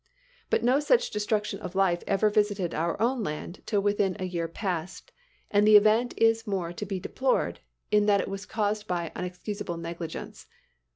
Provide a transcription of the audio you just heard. But no such destruction of life ever visited our own land till within a year past, and the event is more to be deplored, in that it was caused by unexcusable negligence.